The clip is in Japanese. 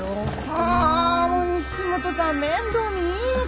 はあもう西本さん面倒見いいから。